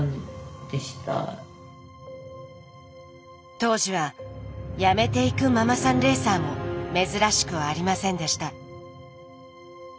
当時は辞めていくママさんレーサーも珍しくありませんでした。